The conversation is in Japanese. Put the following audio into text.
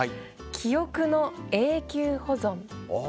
記憶の永久保存。